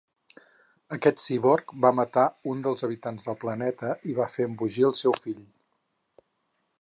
Aquest cíborg va matar un dels habitants del planeta i va fer embogir el seu fill.